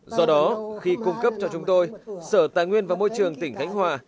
do đó khi cung cấp cho chúng tôi sở tài nguyên và môi trường tỉnh khánh hòa